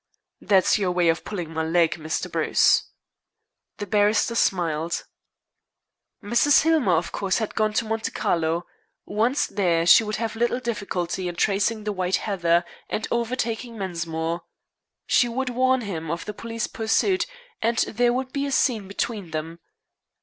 "That's your way of pulling my leg, Mr. Bruce." The barrister smiled. Mrs. Hillmer, of course, had gone to Monte Carlo. Once there she would have little difficulty in tracing the White Heather, and overtaking Mensmore. She would warn him of the police pursuit, and there would be a scene between them.